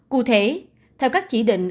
cụ thể theo các chỉ định